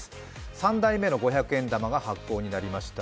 ３代目の五百円玉が発行になりました。